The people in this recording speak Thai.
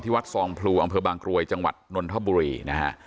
วัดซองพลูอำเภอบางกรวยจังหวัดนนทบุรีนะฮะ